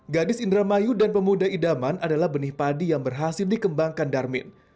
gadis indramayu dan pemuda idaman adalah benih padi yang berhasil dikembangkan darmin